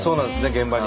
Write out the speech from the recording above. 現場に。